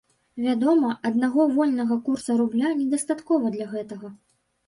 Вядома, аднаго вольнага курса рубля недастаткова для гэтага.